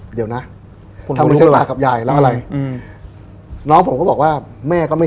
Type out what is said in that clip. เดี๋ยวนะถ้าไม่ใช่ตากับยายแล้วอะไรอืมน้องผมก็บอกว่าแม่ก็ไม่